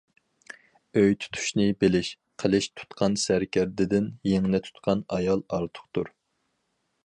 ئۆي تۇتۇشنى بىلىش قىلىچ تۇتقان سەركەردىدىن يىڭنە تۇتقان ئايال ئارتۇقتۇر.